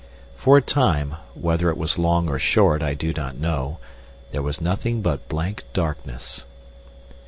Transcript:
For a time, whether it was long or short I do not know, there was nothing but blank darkness.